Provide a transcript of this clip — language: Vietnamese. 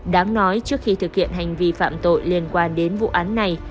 đáng nói trước khi thực hiện hành vi phạm tội liên quan đến vụ án này